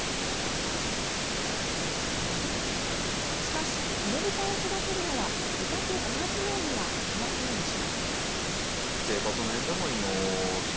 しかし猪豚を育てるのは豚と同じようにはいきませんでした